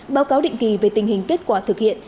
báo cáo định kỳ về tình hình kết quả thực hiện